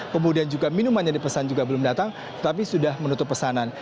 kemudian juga minuman yang dipesan juga belum datang tapi sudah menutup pesanan